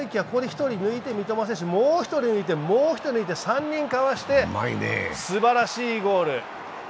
ここで１人抜いて三笘選手、もう１人抜いて、もう１人抜いて、３人かわして、すばらしいゴール。